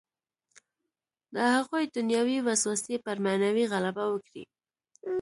د هغوی دنیوي وسوسې پر معنوي غلبه وکړي.